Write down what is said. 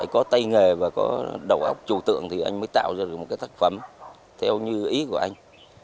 có tay nghề và có đầu óc trù tượng thì anh mới tạo ra được một cái tác phẩm theo như ý của anh